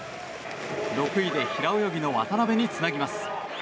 ６位で平泳ぎの渡部につなぎます。